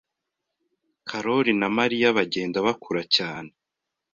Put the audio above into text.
Karoli na Mariya bagenda bakura cyane.